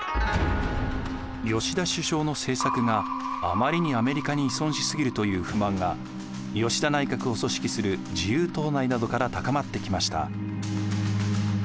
吉田首相の政策があまりにアメリカに依存しすぎるという不満が吉田内閣を組織する自由党内などから高まってきました。